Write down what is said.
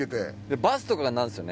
バスとかがなるんですよね